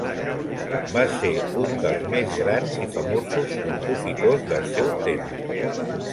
Va ser un dels més grans i famosos compositors del seu temps.